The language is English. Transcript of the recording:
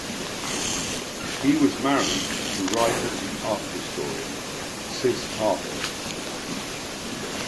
He was married to writer and art historian Sys Hartmann.